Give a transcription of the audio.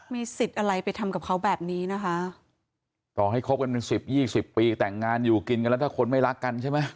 มีสิทธิ์อะไรไปทำกับเขาแบบนี้นะคะ